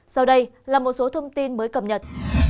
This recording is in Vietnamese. sau đây là một số thông tin mới cập nhật